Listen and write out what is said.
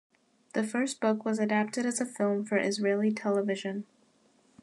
The first book was adapted as a film for Israeli television.